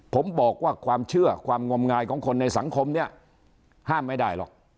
ผมบอกว่าความเชื่อความงมงายของคนในสังคมเนี่ยห้ามไม่ได้หรอก